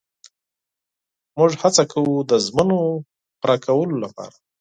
موږ هڅه کوو د ژمنو پوره کولو لپاره.